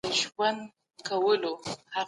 دورکهايم په ارقامو کار کاوه.